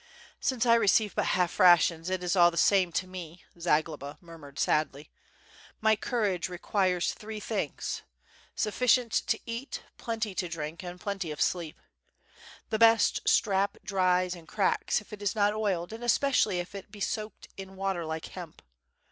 ^* "Since I receive but half rations it is all the same to me," Zagloba murmured sadly. "My courage requires three things: Sufficient to eat, plenty to drink, and plenty of sleep. The best strap drys and cracks if it is not oiled, and especially if it be soaked in water like hemp.